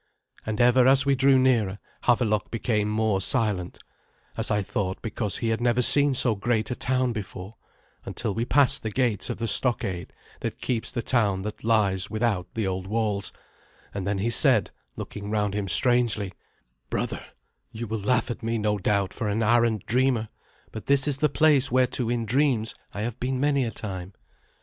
And ever as we drew nearer Havelok became more silent, as I thought because he had never seen so great a town before, until we passed the gates of the stockade that keeps the town that lies without the old walls, and then he said, looking round him strangely, "Brother, you will laugh at me, no doubt, for an arrant dreamer, but this is the place whereto in dreams I have been many a time.